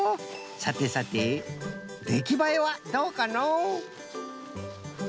さてさてできばえはどうかのう？